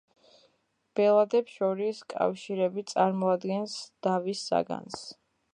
ბელადებს შორის კავშირები წარმოადგენს დავის საგანს.